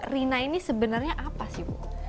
rina ini sebenarnya apa sih bu